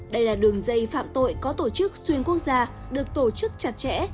đây là đường dây phạm tội có tổ chức xuyên quốc gia được tổ chức chặt chẽ